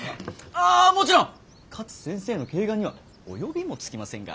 ああもちろん勝先生の慧眼には及びもつきませんが。